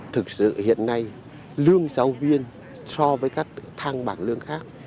thực sự hiện nay lương giáo viên so với các thang bảng lương khác